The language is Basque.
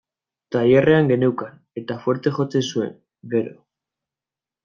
Tailerrean geneukan, eta fuerte jotzen zuen, gero.